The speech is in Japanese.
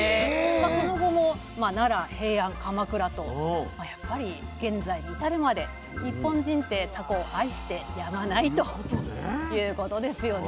その後も奈良平安鎌倉とやっぱり現在に至るまで日本人ってタコを愛してやまないということですよね。